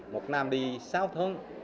một nam đi sáu thớn